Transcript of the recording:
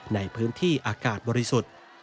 ในพื้นที่อากาศบริสุทธิ์